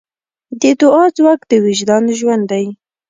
د دعا ځواک د وجدان ژوند دی.